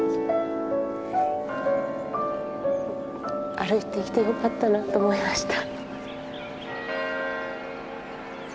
歩いてきてよかったなと思いました。